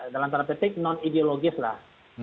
dalam tanda petik non ideologis lah